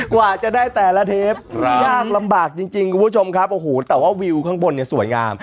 กว่าจะได้แต่ละเทปยากลำบากจริงคุณผู้ชมครับโอ้โหแต่ว่าวิวข้างบนเนี่ยสวยงาม